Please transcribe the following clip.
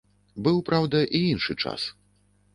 Быў, праўда, і іншы час.